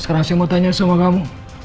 sekarang saya mau tanya sama kamu